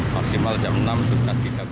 maksimal jam enam sudah kita